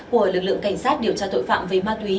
của lực lượng cảnh sát điều tra tội phạm về ma túy